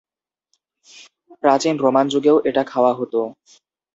প্রাচীন রোমান যুগেও এটা খাওয়া হত।